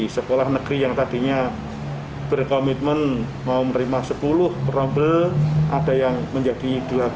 sekolah negeri yang tadinya berkomitmen mau menerima sepuluh perobel ada yang menjadi dua belas